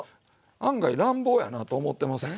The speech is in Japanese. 案外乱暴やなと思ってません？